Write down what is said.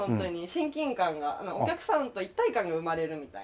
親近感がお客さんと一体感が生まれるみたいな。